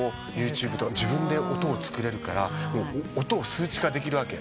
ＹｏｕＴｕｂｅとか自分で音を作れるから音を数値化できるわけ。